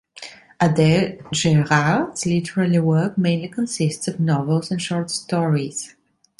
Adele Gerhard's literary work mainly consists of novels and short stories.